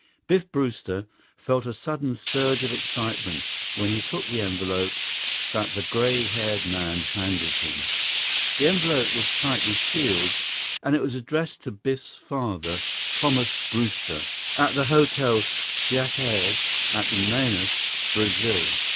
Biff Brewster felt a sudden surge of excitement when he took the envelope that the gray haired man handed him. The envelope was tightly sealed, and it was addressed to Biff's father, Thomas Brewster, at the Hotel Jacares in Manaus, Brazil.